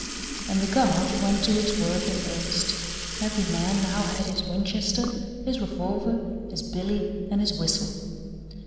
And the Guard went to its work in earnest. Every man now had his Winchester, his revolver, his billy and his whistle.